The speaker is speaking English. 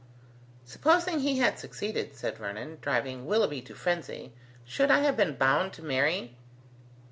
"Supposing he had succeeded," said Vernon, driving Willoughby to frenzy, "should I have been bound to marry?"